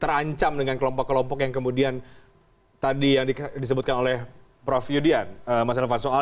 terancam dengan kelompok kelompok yang kemudian tadi yang disebutkan oleh prof yudian mas elvan soal